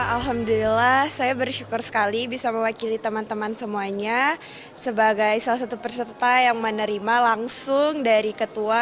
alhamdulillah saya bersyukur sekali bisa mewakili teman teman semuanya sebagai salah satu peserta yang menerima langsung dari ketua